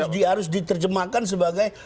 itu harus diterjemahkan sebagai